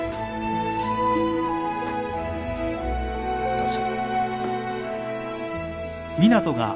どうぞ。